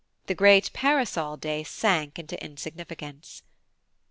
The great parasol day sank into insignificance.